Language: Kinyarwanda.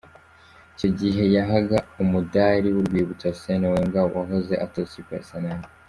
Icyo gihe yahaga umudari w'urwibutso Arsène Wenger wahoze atoza ikipe ya Arsenal.